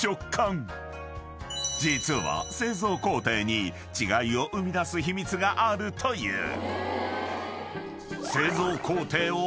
［実は製造工程に違いを生み出す秘密があるという］